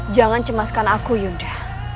jangan cemaskan aku yonda